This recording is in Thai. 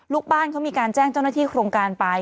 ลูกบ้านเขามีการแจ้งเจ้าหน้าที่โครงการไป